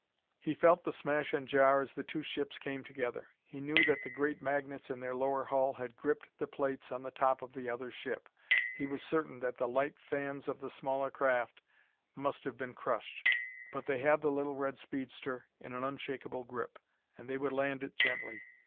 He felt the smash and jar as the two ships came together. He knew that the great magnets in their lower hull had gripped the plates on the top of the other ship. He was certain that the light fans of the smaller craft must have been crushed; but they had the little red speedster in an unshakable grip; and they would land it gently.